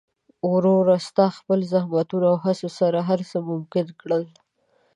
وروره! ستا د خپل زحمتونو او هڅو سره هر څه ممکن کړل.